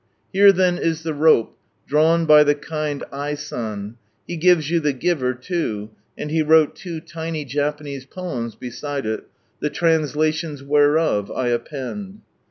Here then is the rope, drawn by the kind I. San, he gives you the giver too, 112 From Sunrise Land and he wrote two tiny Japanese " poems " beside it, the translations whereof 1 append.